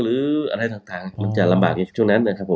หรืออะไรต่างมันจะลำบากช่วงนั้น